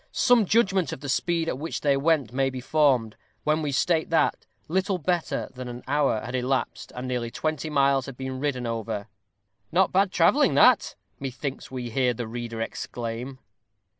Some judgment of the speed at which they went may be formed, when we state that little better than an hour had elapsed and nearly twenty miles had been ridden over. "Not bad travelling that," methinks we hear the reader exclaim.